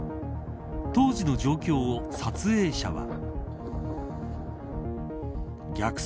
当時の状況を撮影者は。